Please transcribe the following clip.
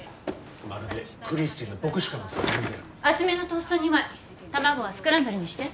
まるでクリスティーの『牧師館の殺人』だよ。厚めのトースト２枚卵はスクランブルにして。